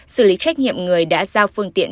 xử lý trách nhiệm người đã giao phương tiện